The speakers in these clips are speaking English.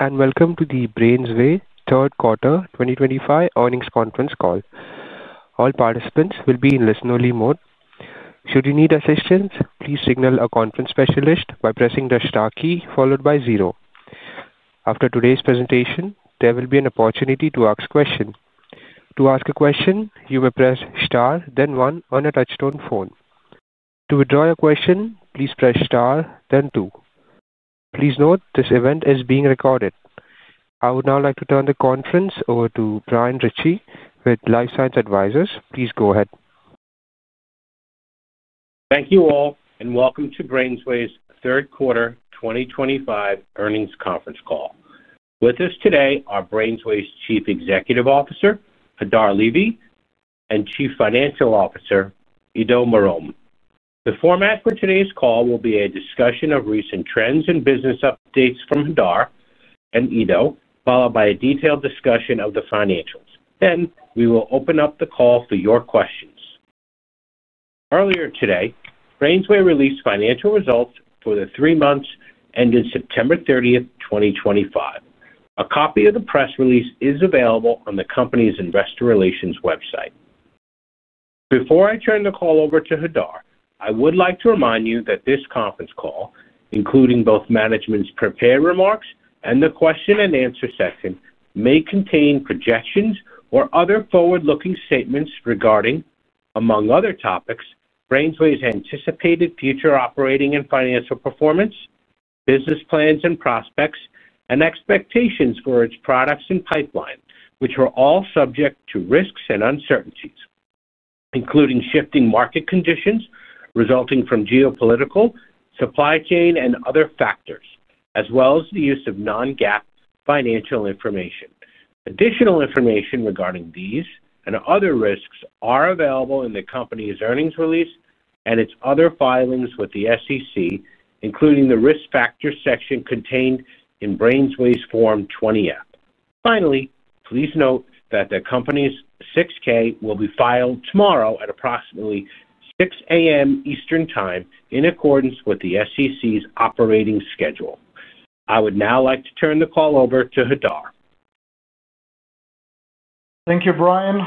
Good day, and welcome to the BrainsWay third quarter 2025 earnings conference call. All participants will be in listen-only mode. Should you need assistance, please signal a conference specialist by pressing the star key followed by zero. After today's presentation, there will be an opportunity to ask a question. To ask a question, you may press star, then one, on a touchstone phone. To withdraw your question, please press star, then two. Please note this event is being recorded. I would now like to turn the conference over to Brian Ritchie with LifeSci Advisors. Please go ahead. Thank you all, and welcome to BrainsWay's third quarter 2025 earnings conference call. With us today are BrainsWay's Chief Executive Officer, Hadar Levy, and Chief Financial Officer, Ido Marom. The format for today's call will be a discussion of recent trends and business updates from Hadar and Ido, followed by a detailed discussion of the financials. Then we will open up the call for your questions. Earlier today, BrainsWay released financial results for the three months ending September 30, 2025. A copy of the press release is available on the company's Investor Relations website. Before I turn the call over to Hadar, I would like to remind you that this conference call, including both management's prepared remarks and the question-and-answer session, may contain projections or other forward-looking statements regarding, among other topics, BrainsWay's anticipated future operating and financial performance, business plans and prospects, and expectations for its products and pipeline, which are all subject to risks and uncertainties, including shifting market conditions resulting from geopolitical, supply chain, and other factors, as well as the use of non-GAAP financial information. Additional information regarding these and other risks is available in the company's earnings release and its other filings with the SEC, including the risk factors section contained in BrainsWay's Form 20 app. Finally, please note that the company's 6K will be filed tomorrow at approximately 6:00 a.m. Eastern Time in accordance with the SEC's operating schedule. I would now like to turn the call over to Hadar. Thank you, Brian.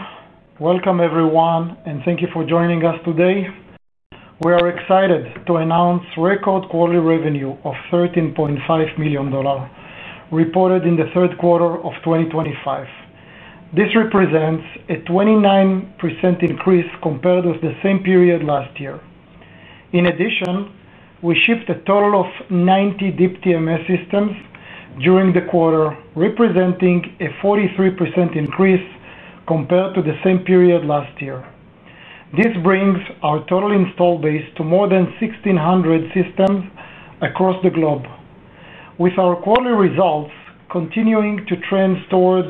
Welcome, everyone, and thank you for joining us today. We are excited to announce record quarterly revenue of $13.5 million reported in the third quarter of 2025. This represents a 29% increase compared with the same period last year. In addition, we shipped a total of 90 Deep TMS systems during the quarter, representing a 43% increase compared to the same period last year. This brings our total install base to more than 1,600 systems across the globe. With our quarterly results continuing to trend towards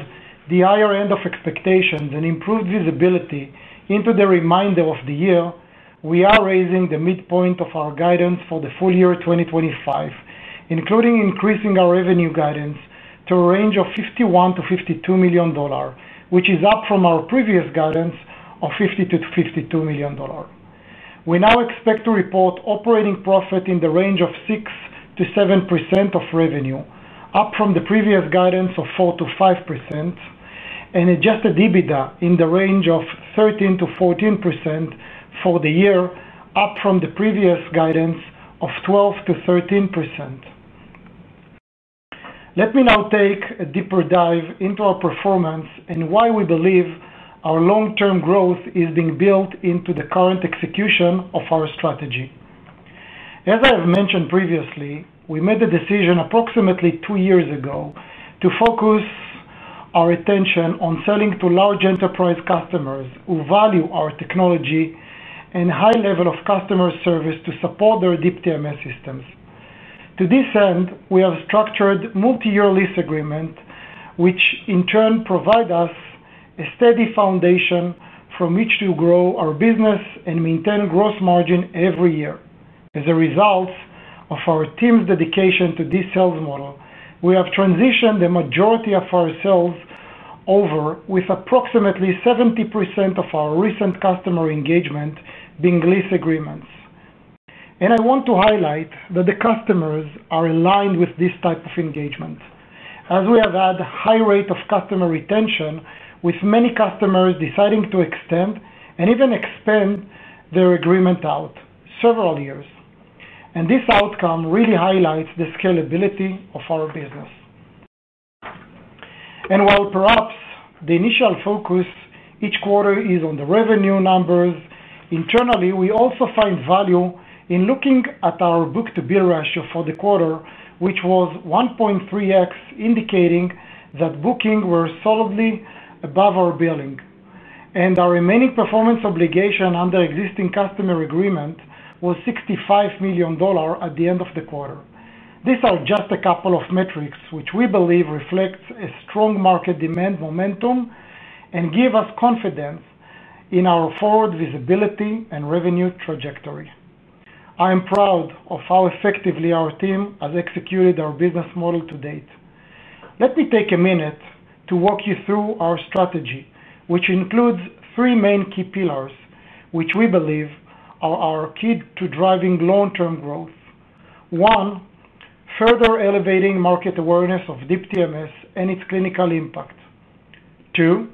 the higher end of expectations and improved visibility into the remainder of the year, we are raising the midpoint of our guidance for the full year 2025, including increasing our revenue guidance to a range of $51 million-$52 million, which is up from our previous guidance of $50 million-$52 million. We now expect to report operating profit in the range of 6%-7% of revenue, up from the previous guidance of 4%- 5%, and adjusted EBITDA in the range of 13%-14% for the year, up from the previous guidance of 12%-13%. Let me now take a deeper dive into our performance and why we believe our long-term growth is being built into the current execution of our strategy. As I have mentioned previously, we made the decision approximately two years ago to focus our attention on selling to large enterprise customers who value our technology and high level of customer service to support their Deep TMS systems. To this end, we have structured multi-year lease agreements, which in turn provide us a steady foundation from which to grow our business and maintain gross margin every year. As a result of our team's dedication to this sales model, we have transitioned the majority of our sales over, with approximately 70% of our recent customer engagement being lease agreements. And I want to highlight that the customers are aligned with this type of engagement, as we have had a high rate of customer retention, with many customers deciding to extend and even expand their agreement out several years. And this outcome really highlights the scalability of our business. And while perhaps the initial focus each quarter is on the revenue numbers, internally, we also find value in looking at our book-to-bill ratio for the quarter, which was 1.3x, indicating that booking were solidly above our billing. And our remaining performance obligation under existing customer agreement was $65 million at the end of the quarter. These are just a couple of metrics which we believe reflect a strong market demand momentum and give us confidence in our forward visibility and revenue trajectory. I am proud of how effectively our team has executed our business model to date. Let me take a minute to walk you through our strategy, which includes three main key pillars which we believe are our key to driving long-term growth. One, further elevating market awareness of Deep TMS and its clinical impact. Two,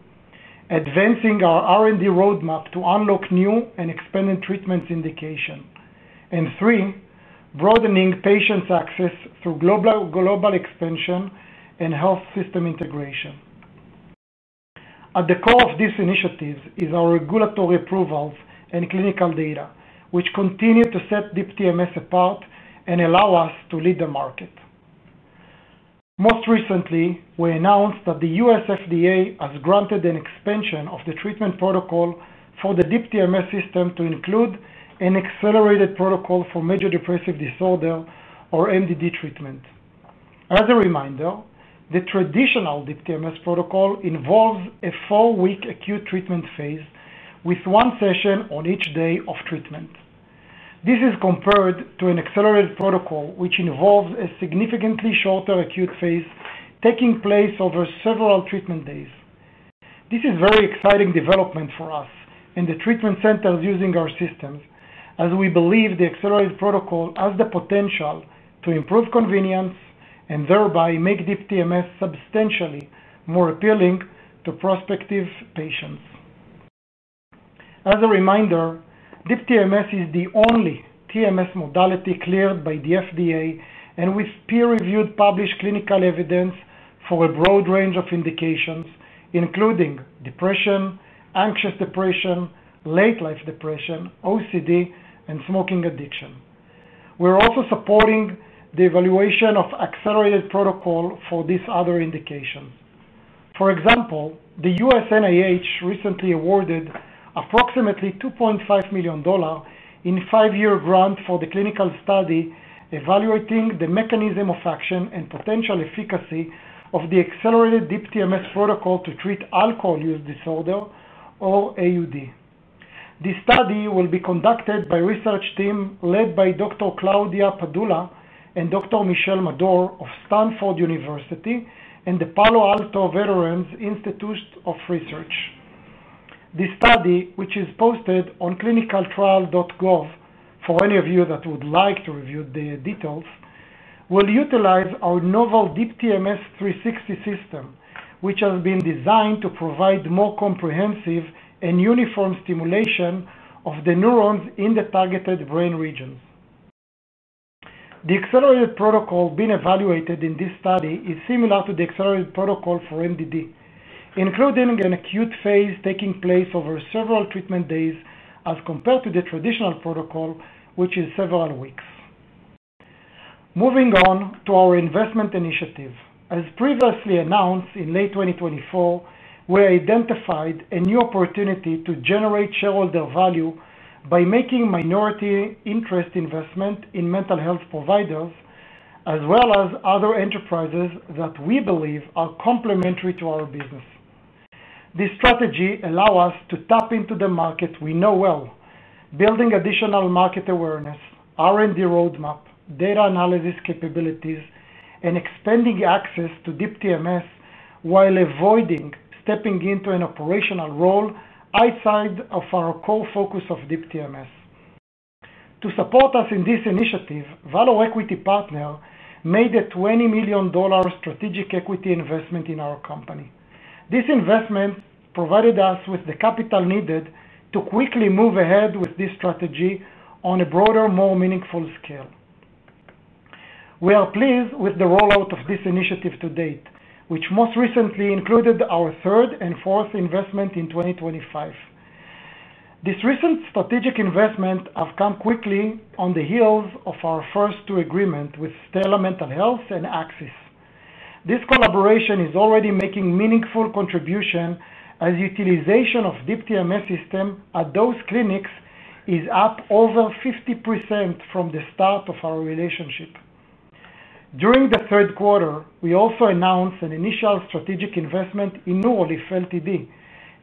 advancing our R&D roadmap to unlock new and expanded treatment indication. And three, broadening patient access through global extension and health system integration. At the core of this initiative is our regulatory approvals and clinical data, which continue to set Deep TMS apart and allow us to lead the market. Most recently, we announced that the U.S. FDA has granted an expansion of the treatment protocol for the Deep TMS system to include an accelerated protocol for major depressive disorder, or MDD, treatment. As a reminder, the traditional Deep TMS protocol involves a four-week acute treatment phase with one session on each day of treatment. This is compared to an accelerated protocol, which involves a significantly shorter acute phase taking place over several treatment days. This is a very exciting development for us and the treatment centers using our systems, as we believe the accelerated protocol has the potential to improve convenience and thereby make Deep TMS substantially more appealing to prospective patients. As a reminder, Deep TMS is the only TMS modality cleared by the FDA and with peer-reviewed published clinical evidence for a broad range of indications, including depression, anxious depression, late-life depression, OCD, and smoking addiction. We are also supporting the evaluation of accelerated protocol for these other indications. For example, the U.S. NIH recently awarded approximately $2.5 million in a five-year grant for the clinical study evaluating the mechanism of action and potential efficacy of the accelerated Deep TMS protocol to treat alcohol use disorder, or AUD. The study will be conducted by a research team led by Dr. Claudia Padula and Dr. Michelle Madore of Stanford University and the Palo Alto Veterans Institute of Research. The study, which is posted on clinicaltrial.gov, for any of you that would like to review the details, will utilize our novel Deep TMS 360°™ system, which has been designed to provide more comprehensive and uniform stimulation of the neurons in the targeted brain regions. The accelerated protocol being evaluated in this study is similar to the accelerated protocol for MDD, including an acute phase taking place over several treatment days as compared to the traditional protocol, which is several weeks. Moving on to our investment initiative. As previously announced in late 2024, we identified a new opportunity to generate shareholder value by making minority interest investment in mental health providers, as well as other enterprises that we believe are complementary to our business. This strategy allows us to tap into the market we know well, building additional market awareness, R&D roadmap, data analysis capabilities, and expanding access to Deep TMS while avoiding stepping into an operational role outside of our core focus of Deep TMS. To support us in this initiative, Valor Equity Partners made a $20 million strategic equity investment in our company. This investment provided us with the capital needed to quickly move ahead with this strategy on a broader, more meaningful scale. We are pleased with the rollout of this initiative to date, which most recently included our third and fourth investment in 2025. This recent strategic investment has come quickly on the heels of our first two agreements with Stella Mental Health and Axis. This collaboration is already making a meaningful contribution as utilization of Deep TMS systems at those clinics is up over 50% from the start of our relationship. During the third quarter, we also announced an initial strategic investment in Neurolief Ltd.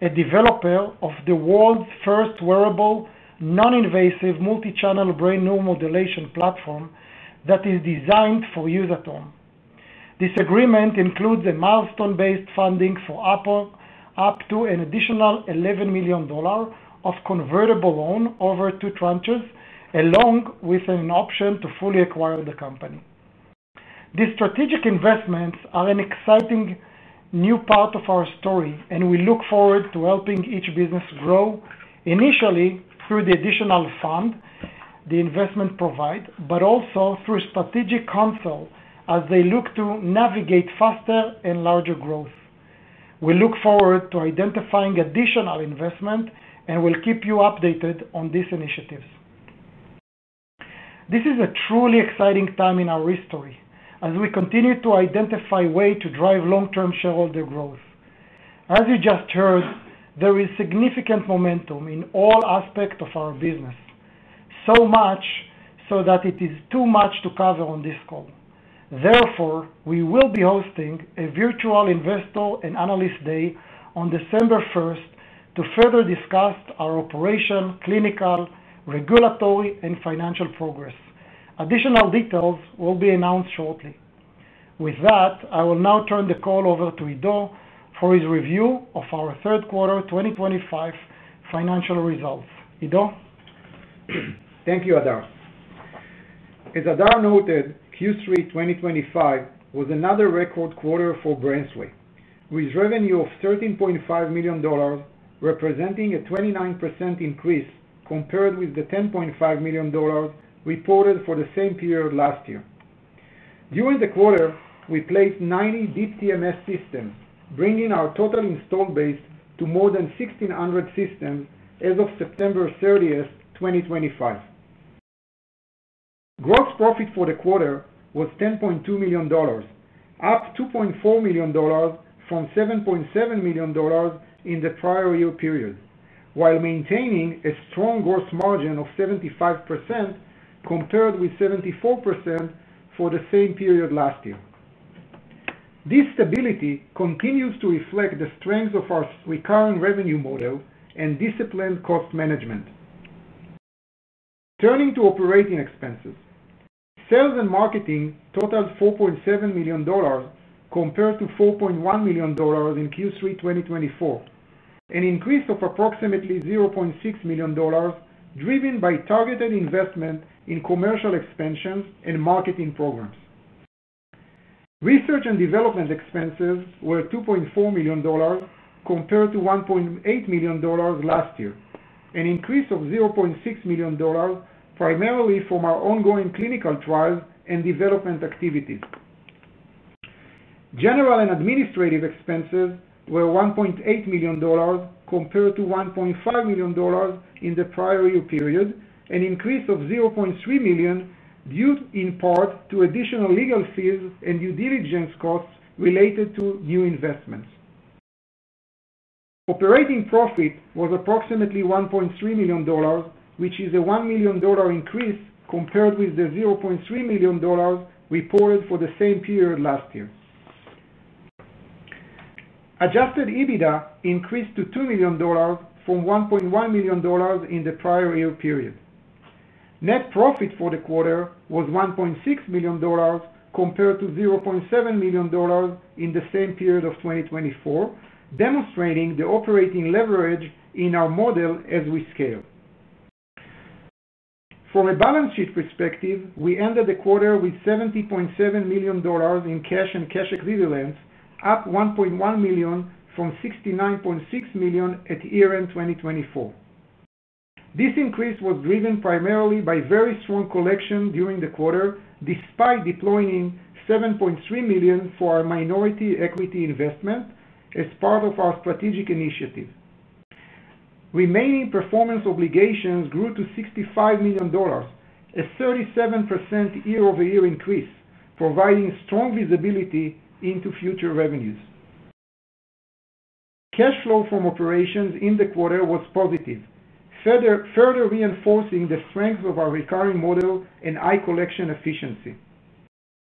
a developer of the world's first wearable, non-invasive multi-channel brain neuromodulation platform that is designed for use at home. This agreement includes a milestone-based funding for Apple up to an additional $11 million of convertible loan over two tranches, along with an option to fully acquire the company. These strategic investments are an exciting new part of our story, and we look forward to helping each business grow, initially through the additional fund the investment provides, but also through strategic counsel as they look to navigate faster and larger growth. We look forward to identifying additional investment and will keep you updated on these initiatives. This is a truly exciting time in our history as we continue to identify ways to drive long-term shareholder growth. As you just heard, there is significant momentum in all aspects of our business, so much so that it is too much to cover on this call. Therefore, we will be hosting a virtual investor and analyst day on December 1 to further discuss our operation, clinical, regulatory, and financial progress. Additional details will be announced shortly. With that, I will now turn the call over to Ido for his review of our third quarter 2025 financial results. Ido? Thank you, Hadar. As Hadar noted, Q3 2025 was another record quarter for BrainsWay, with revenue of $13.5 million, representing a 29% increase compared with the $10.5 million reported for the same period last year. During the quarter, we placed 90 Deep TMS systems, bringing our total install base to more than 1,600 systems as of September 30, 2025. Gross profit for the quarter was $10.2 million, up $2.4 million from $7.7 million in the prior year period, while maintaining a strong gross margin of 75% compared with 74% for the same period last year. This stability continues to reflect the strength of our recurring revenue model and disciplined cost management. Turning to operating expenses, sales and marketing totaled $4.7 million compared to $4.1 million in Q3 2024, an increase of approximately $0.6 million driven by targeted investment in commercial expansions and marketing programs. Research and development expenses were $2.4 million compared to $1.8 million last year, an increase of $0.6 million primarily from our ongoing clinical trials and development activities. General and administrative expenses were $1.8 million compared to $1.5 million in the prior year period, an increase of $0.3 million due in part to additional legal fees and due diligence costs related to new investments. Operating profit was approximately $1.3 million, which is a $1 million increase compared with the $0.3 million reported for the same period last year. Adjusted EBITDA increased to $2 million from $1.1 million in the prior year period. Net profit for the quarter was $1.6 million compared to $0.7 million in the same period of 2024, demonstrating the operating leverage in our model as we scale. From a balance sheet perspective, we ended the quarter with $70.7 million in cash and cash equivalents, up $1.1 million from $69.6 million at year-end 2024. This increase was driven primarily by very strong collection during the quarter, despite deploying $7.3 million for our minority equity investment as part of our strategic initiative. Remaining performance obligations grew to $65 million, a 37% year-over-year increase, providing strong visibility into future revenues. Cash flow from operations in the quarter was positive, further reinforcing the strength of our recurring model and high collection efficiency.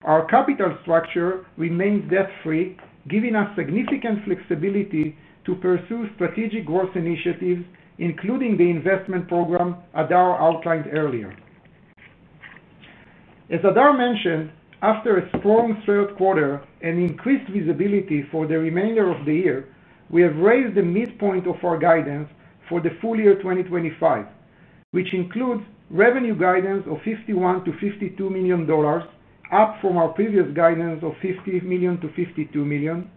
Our capital structure remained debt-free, giving us significant flexibility to pursue strategic growth initiatives, including the investment program Hadar outlined earlier. As Hadar mentioned, after a strong third quarter and increased visibility for the remainder of the year, we have raised the midpoint of our guidance for the full year 2025, which includes revenue guidance of $51 million-$52 million, up from our previous guidance of $50 million-$52 million.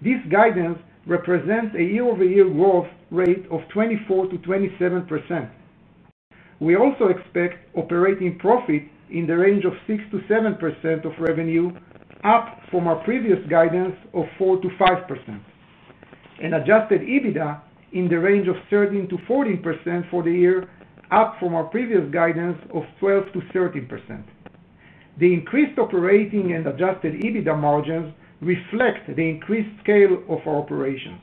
This guidance represents a year-over-year growth rate of 24%-27%. We also expect operating profit in the range of 6%-7% of revenue, up from our previous guidance of 4%-5%. And adjusted EBITDA in the range of 13%-14% for the year, up from our previous guidance of 12%-13%. The increased operating and adjusted EBITDA margins reflect the increased scale of our operations.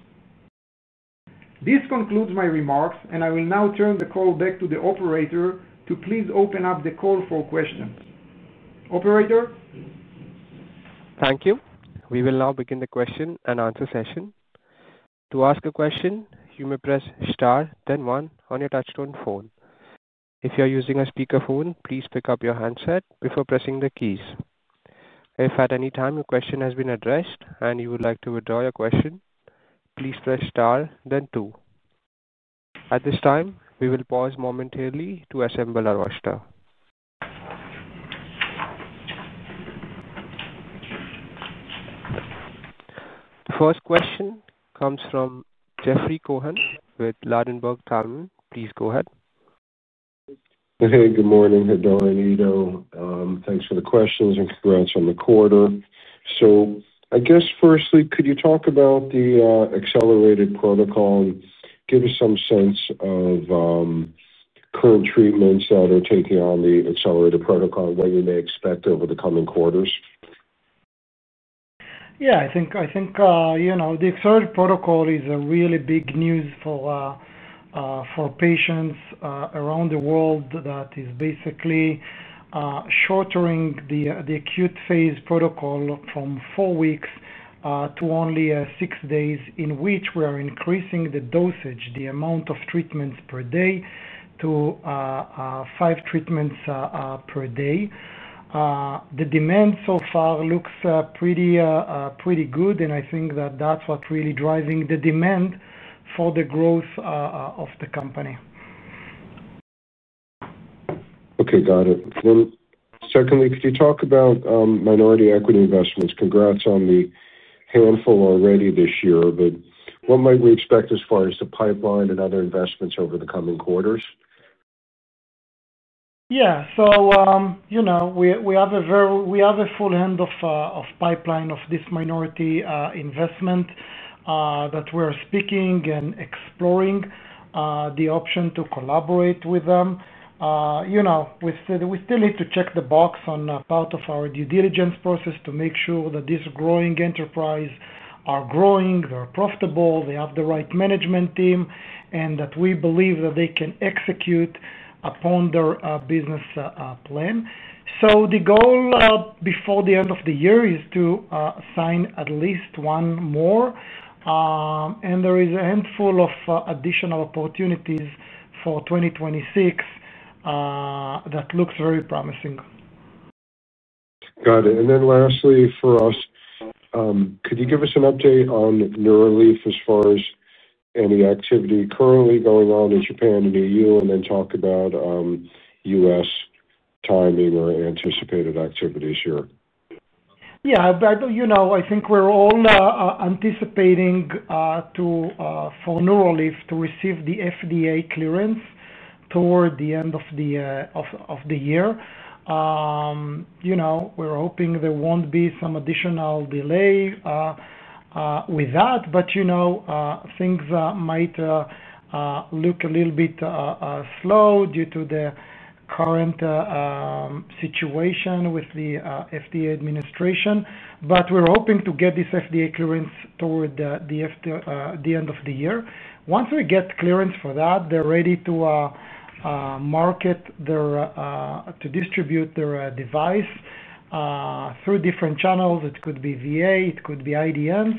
This concludes my remarks, and I will now turn the call back to the operator to please open up the call for questions. Operator? Thank you. We will now begin the question and answer session. To ask a question, you may press *101 on your touchscreen phone. If you are using a speakerphone, please pick up your handset before pressing the keys. If at any time your question has been addressed and you would like to withdraw your question, please press *2. At this time, we will pause momentarily to assemble our audience. The first question comes from Jeffrey Cohen with Ladenburg Thalmann. Please go ahead. Hey, good morning, Hadar and Ido. Thanks for the questions and congrats on the quarter. So I guess, firstly, could you talk about the accelerated protocol and give us some sense of current treatments that are taking on the accelerated protocol and what you may expect over the coming quarters? Yeah, I think the accelerated protocol is a really big news for patients around the world that is basically shortering the acute phase protocol from four weeks to only six days, in which we are increasing the dosage, the amount of treatments per day to five treatments per day. The demand so far looks pretty good, and I think that that's what's really driving the demand for the growth of the company. Okay, got it. Then secondly, could you talk about minority equity investments? Congrats on the handful already this year, but what might we expect as far as the pipeline and other investments over the coming quarters? Yeah, so we have a full handle of pipeline of this minority investment that we are speaking and exploring the option to collaborate with them. We still need to check the box on part of our due diligence process to make sure that this growing enterprise is growing, they're profitable, they have the right management team, and that we believe that they can execute upon their business plan. So the goal before the end of the year is to sign at least one more, and there is a handful of additional opportunities for 2026 that looks very promising. Got it. And then lastly, for us, could you give us an update on Neurolief as far as any activity currently going on in Japan and EU, and then talk about U.S. timing or anticipated activities here? Yeah, I think we're all anticipating for Neurolief to receive the FDA clearance toward the end of the year. We're hoping there won't be some additional delay with that, but things might look a little bit slow due to the current situation with the FDA administration. But we're hoping to get this FDA clearance toward the end of the year. Once we get clearance for that, they're ready to market their to distribute their device through different channels. It could be VA, it could be IDM,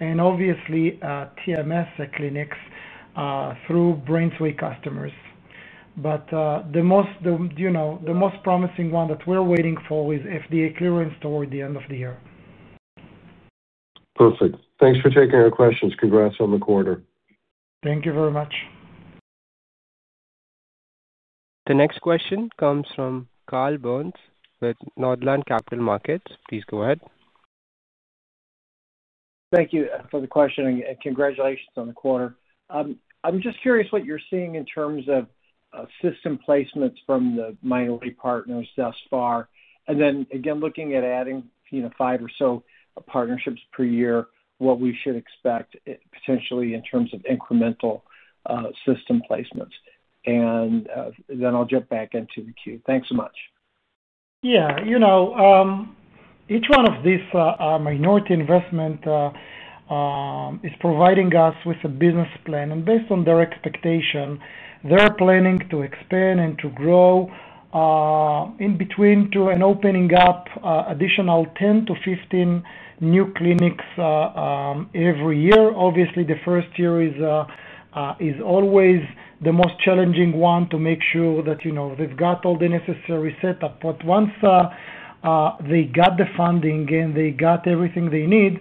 and obviously TMS clinics through BrainsWay customers. But the most promising one that we're waiting for is FDA clearance toward the end of the year. Perfect. Thanks for taking our questions. Congrats on the quarter. Thank you very much. The next question comes from Carl Byrnes with Northland Capital Markets. Please go ahead. Thank you for the question, and congratulations on the quarter. I'm just curious what you're seeing in terms of system placements from the minority partners thus far. And then again, looking at adding five or so partnerships per year, what we should expect potentially in terms of incremental system placements. And then I'll jump back into the queue. Thanks so much. Yeah, each one of these minority investments is providing us with a business plan. And based on their expectation, they're planning to expand and to grow in between to and opening up additional 10-15 new clinics every year. Obviously, the first year is always the most challenging one to make sure that they've got all the necessary setup. But once they got the funding and they got everything they need,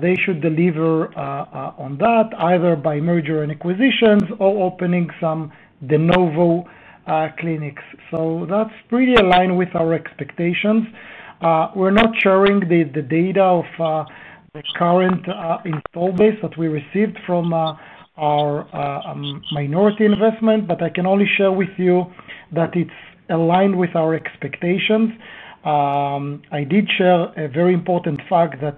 they should deliver on that, either by merger and acquisitions or opening some de novo clinics. So that's pretty aligned with our expectations. We're not sharing the data of the current install base that we received from our minority investment, but I can only share with you that it's aligned with our expectations. I did share a very important fact that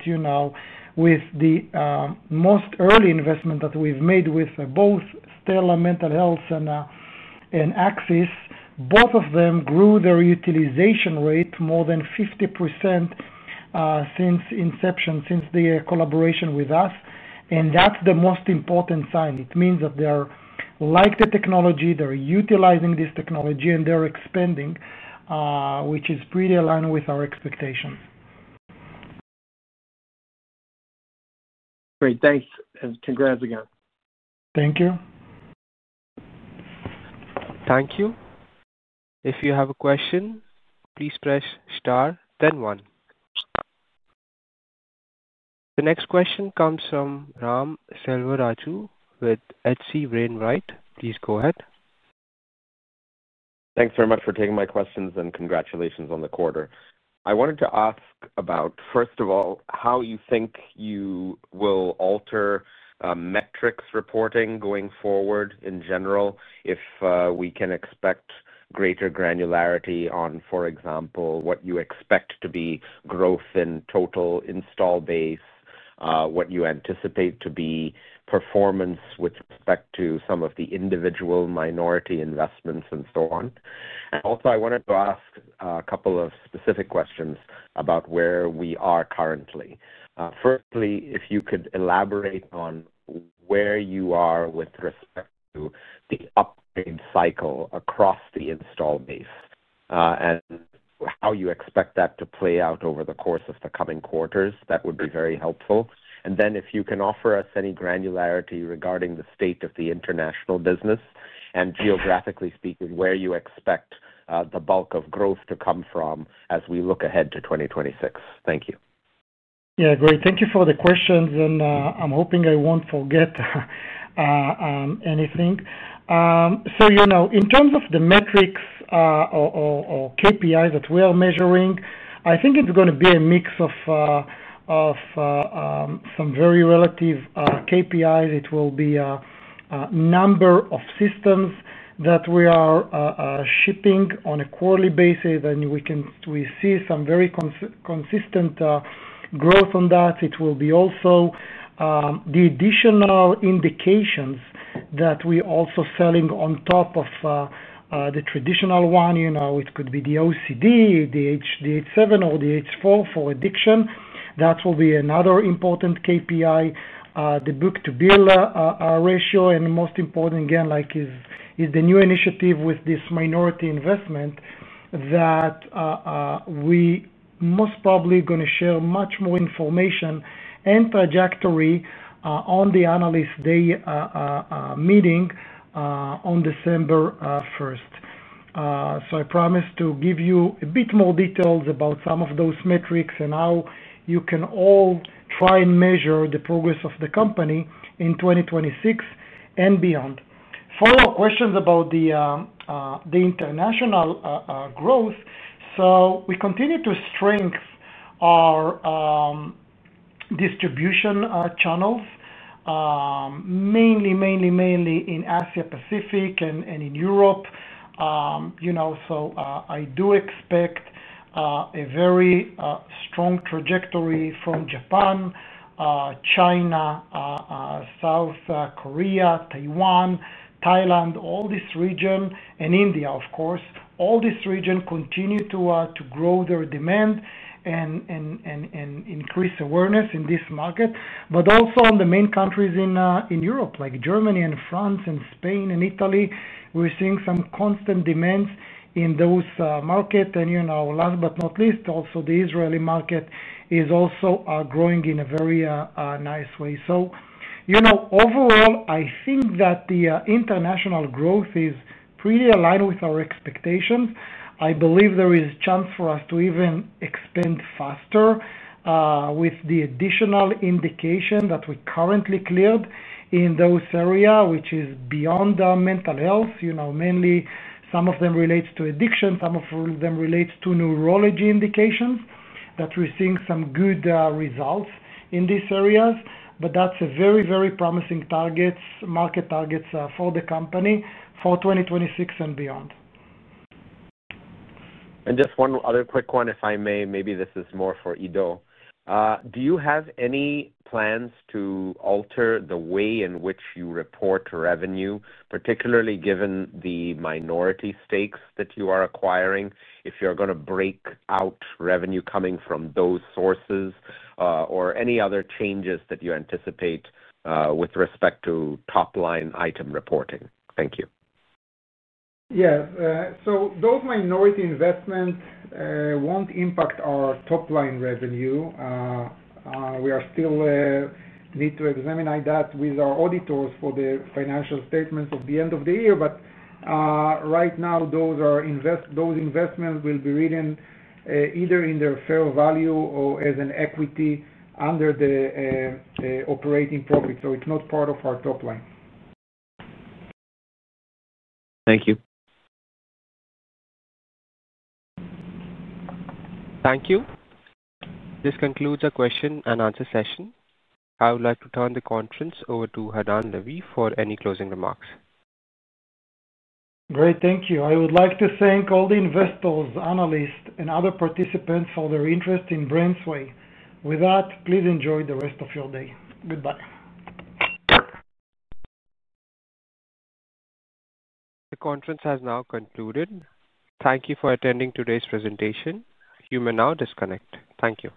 with the most early investment that we've made with both Stella Mental Health and Axis, both of them grew their utilization rate more than 50% since inception, since the collaboration with us. And that's the most important sign. It means that they're liking the technology, they're utilizing this technology, and they're expanding, which is pretty aligned with our expectations. Great. Thanks. And congrats again. Thank you. Thank you. If you have a question, please press *101. The next question comes from Ram Selvaraju from H.C. Wainwright. Please go ahead. Thanks very much for taking my questions and congratulations on the quarter. I wanted to ask about, first of all, how you think you will alter metrics reporting going forward in general, if we can expect greater granularity on, for example, what you expect to be growth in total install base, what you anticipate to be performance with respect to some of the individual minority investments and so on. And also, I wanted to ask a couple of specific questions about where we are currently. Firstly, if you could elaborate on where you are with respect to the upgrade cycle across the install base and how you expect that to play out over the course of the coming quarters, that would be very helpful. And then if you can offer us any granularity regarding the state of the international business and geographically speaking, where you expect the bulk of growth to come from as we look ahead to 2026. Thank you. Yeah, great. Thank you for the questions, and I'm hoping I won't forget anything. So in terms of the metrics or KPIs that we are measuring, I think it's going to be a mix of some very relative KPIs. It will be a number of systems that we are shipping on a quarterly basis, and we see some very consistent growth on that. It will be also the additional indications that we are also selling on top of the traditional one. It could be the OCD, the H7, or the H4 for addiction. That will be another important KPI, the book-to-bill ratio. And most important, again, is the new initiative with this minority investment that we most probably are going to share much more information and trajectory on the analyst day meeting on December 1st. So I promise to give you a bit more details about some of those metrics and how you can all try and measure the progress of the company in 2026 and beyond. Follow-up questions about the international growth. So we continue to strengthen our distribution channels, mainly, mainly, mainly in Asia-Pacific and in Europe. So I do expect a very strong trajectory from Japan, China, South Korea, Taiwan, Thailand, all this region, and India, of course. All this region continue to grow their demand and increase awareness in this market, but also in the main countries in Europe, like Germany and France and Spain and Italy. We're seeing some constant demands in those markets. And last but not least, also the Israeli market is also growing in a very nice way. So overall, I think that the international growth is pretty aligned with our expectations. I believe there is a chance for us to even expand faster with the additional indication that we currently cleared in those areas, which is beyond mental health. Mainly, some of them relate to addiction. Some of them relate to neurology indications that we're seeing some good results in these areas. But that's a very, very promising market target for the company for 2026 and beyond. And just one other quick one, if I may. Maybe this is more for Ido. Do you have any plans to alter the way in which you report revenue, particularly given the minority stakes that you are acquiring, if you're going to break out revenue coming from those sources or any other changes that you anticipate with respect to top-line item reporting? Thank you. Yeah. So those minority investments won't impact our top-line revenue. We still need to examine that with our auditors for the financial statements of the end of the year. But right now, those investments will be written either in their fair value or as an equity under the operating profit. So it's not part of our top line. Thank you. Thank you. This concludes the question and answer session. I would like to turn the conference over to Hadar Levy for any closing remarks. Great. Thank you. I would like to thank all the investors, analysts, and other participants for their interest in BrainsWay. With that, please enjoy the rest of your day. Goodbye. The conference has now concluded. Thank you for attending today's presentation. You may now disconnect. Thank you.